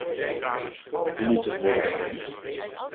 Hoe moet het worden herkend?